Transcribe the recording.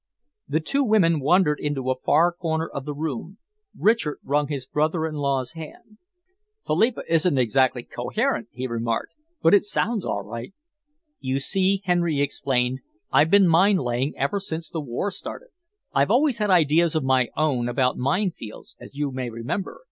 The two women wandered into a far corner of the room. Richard wrung his brother in law's hand. "Philippa isn't exactly coherent," he remarked, "but it sounds all right." "You see," Sir Henry explained, "I've been mine laying ever since the war started. I always had ideas of my own about mine fields, as you may remember.